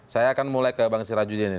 saya akan mulai ke bang sirajudin ya